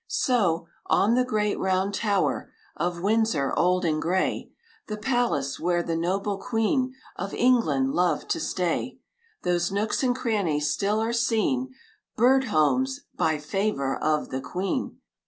So, on the great round tower Of Windsor, old and gray, The palace where the noble Queen Of England loved to stay, Those nooks and crannies still are seen Bird homes "by favor of the Queen."